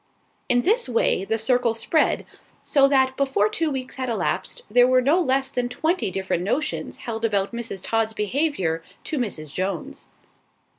In this way the circle spread, so that before two weeks had elapsed, there were no less than twenty different notions held about Mrs. Todd's behaviour to Mrs. Jones.